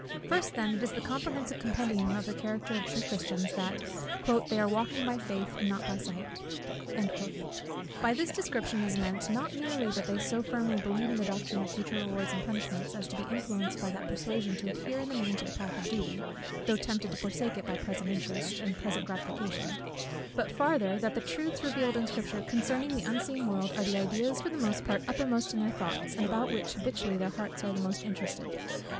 First then, it is the comprehensive compendium of the character of true Christians, that "they are walking by faith, and not by sight." By this description is meant, not merely that they so firmly believe in the doctrine of future rewards and punishments, as to be influenced by that persuasion to adhere in the main to the path of duty, though tempted to forsake it by present interest, and present gratification; but farther, that the great truths revealed in Scripture concerning the unseen world, are the ideas for the most part uppermost in their thoughts, and about which habitually their hearts are most interested.